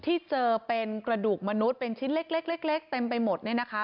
ที่เจอเป็นกระดูกมนุษย์เป็นชิ้นเล็กเต็มไปหมดเนี่ยนะคะ